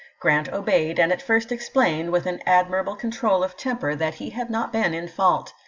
Grant obeyed, and at first explained, with an admii^able control of temper, that he had not been in fault.